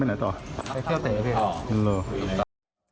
แล้วก็มาก่อเหตุซ้ำ